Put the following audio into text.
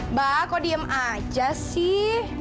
mbak aku diem aja sih